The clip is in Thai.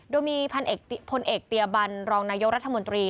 โดยมีพลเอกเตียบันรองนายกรัฐมนตรี